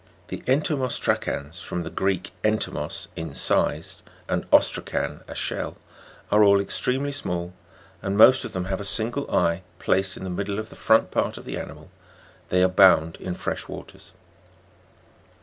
20. The En'tomos'tracans (from the Greek, entomos, incised, and ostrakan, a shell) are all extremely small, and most of them have a single eye placed in the middle of the front part of the animal. They abound in fresh waters.